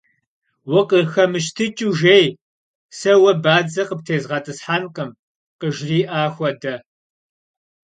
«Vukhıxemıştıç'ıu jjêy, se vue badze khıptêzğet'ıshenkhım», - khıjjri'e xuede.